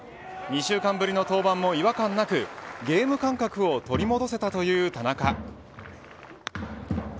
２週間ぶりの登板も違和感なくゲーム感覚を取り戻せたという田中。